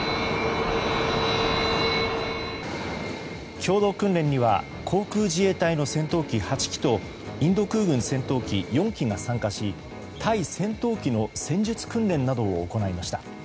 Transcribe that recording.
共同訓練には航空自衛隊の戦闘機８機とインド空軍戦闘機４機が参加し対戦闘機の戦術訓練などを行いました。